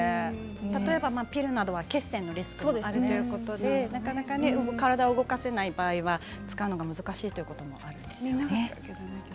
例えばピルは血栓のリスクがあるということでなかなか体を動かせない場合は使うのが難しいということもあるんですよね。